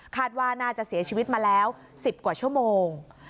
ว่าน่าจะเสียชีวิตมาแล้ว๑๐กว่าชั่วโมง